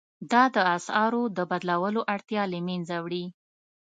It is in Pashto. دا د اسعارو د بدلولو اړتیا له مینځه وړي.